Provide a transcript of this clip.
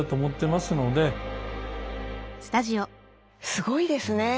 すごいですね。